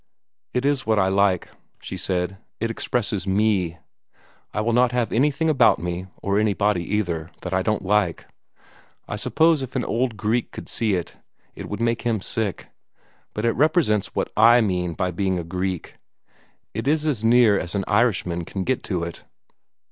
"It is what I like," she said. "It expresses ME. I will not have anything about me or anybody either that I don't like. I suppose if an old Greek could see it, it would make him sick, but it represents what I mean by being a Greek. It is as near as an Irishman can get to it."